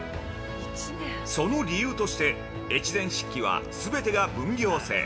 その理由として越前漆器は全てが分業制。